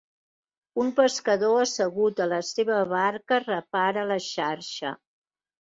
Un pescador assegut a la seva barca repara la xarxa.